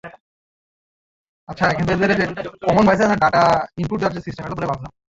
She is also Head of Zoology.